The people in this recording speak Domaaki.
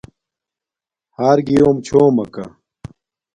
ہݳر گݵݸم چھݸمَکݳ.